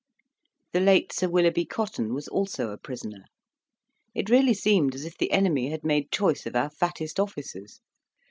The late Sir Willoughby Cotton was also a prisoner. It really seemed as if the enemy had made choice of our fattest officers.